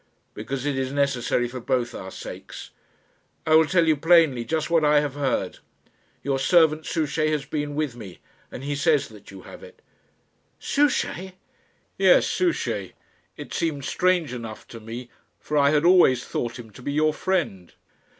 "Because it is necessary for both our sakes. I will tell you plainly just what I have heard: your servant Souchey has been with me, and he says that you have it." "Souchey!" "Yes; Souchey. It seemed strange enough to me, for I had always thought him to be your friend."